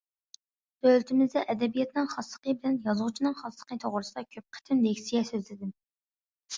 دۆلىتىمىزدە ئەدەبىياتنىڭ خاسلىقى بىلەن يازغۇچىنىڭ خاسلىقى توغرىسىدا كۆپ قېتىم لېكسىيە سۆزلىدىم.